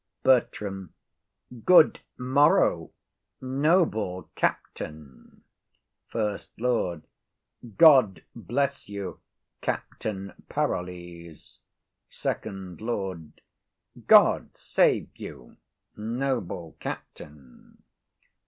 BERTRAM. Good morrow, noble captain. SECOND LORD. God bless you, Captain Parolles. FIRST LORD. God save you, noble captain.